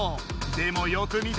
でもよく見て。